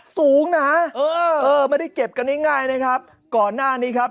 สูงนะเออเออไม่ได้เก็บกันง่ายง่ายนะครับก่อนหน้านี้ครับ